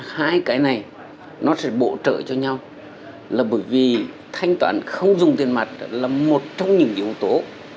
hai cái này nó sẽ bổ trợ cho nhau là bởi vì thanh toán không dùng tiền mặt là một trong những yếu tố